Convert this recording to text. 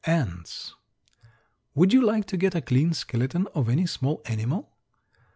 ANTS. Would you like to get a clean skeleton of any small animal?